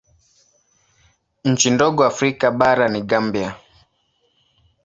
Nchi ndogo Afrika bara ni Gambia.